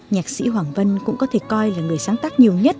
nhạc sĩ hoàng vân cũng có thể coi là người sáng tác nhiều nhất